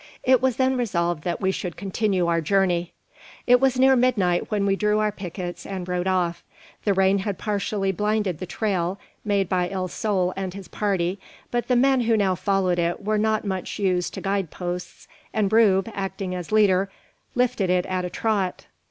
It was then resolved that we should continue our journey. It was near midnight when we drew our pickets and rode off. The rain had partially blinded the trail made by El Sol and his party, but the men who now followed it were not much used to guide posts, and Rube, acting as leader, lifted it at a trot.